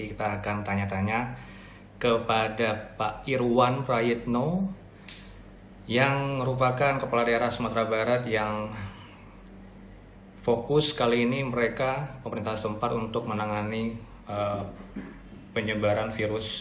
kita akan tanya tanya mengenai